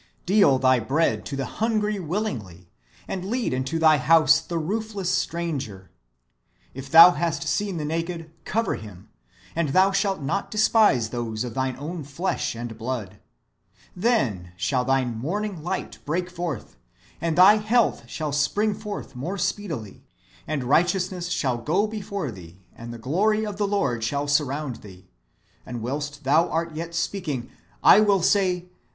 Deal thy bread to the hungry willingly, and lead into thy house the roofless stranger. If thou hast seen the naked, cover him, and thou shalt not despise those of thine own flesh and blood {domesticos seiimiis tui). Then shall thy morning light break forth, and thy health shall spring forth more speedily ; and righteousness shall go before thee, and the glory of the Lord shall surround thee : and whilst thou art yet speaking, I will say.